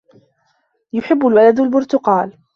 يُحِبُّ الْوَلَدُ الْبُرْتُقالَ.